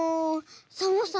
サボさん